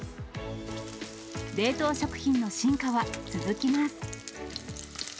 冷凍食品の進化は続きます。